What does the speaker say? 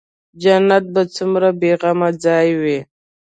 جنت به څومره بې غمه ځاى وي.